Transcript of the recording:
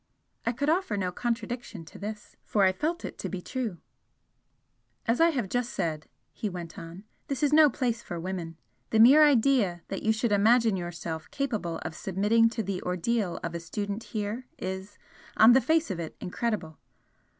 '" I could offer no contradiction to this, for I felt it to be true. "As I have just said," he went on "this is no place for women. The mere idea that you should imagine yourself, capable of submitting to the ordeal of a student here is, on the face of it, incredible.